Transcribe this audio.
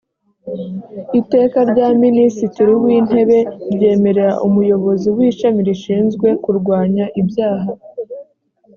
iteka rya minisitiri w intebe ryemerera umuyobozi w ishami rishinzwe kurwanya ibyaha